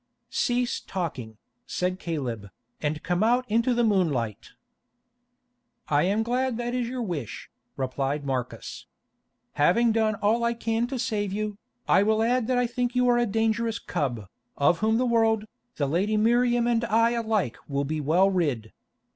"Cease talking," said Caleb, "and come out into the moonlight." "I am glad that is your wish," replied Marcus. "Having done all I can to save you, I will add that I think you a dangerous cub, of whom the world, the lady Miriam and I alike will be well rid.